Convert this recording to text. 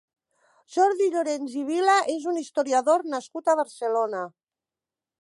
Jordi Llorens i Vila és un historiador nascut a Barcelona.